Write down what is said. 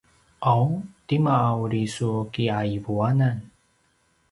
’aw tima a uri su ki’aivuanan?